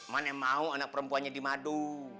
mana yang mau anak perempuannya di madu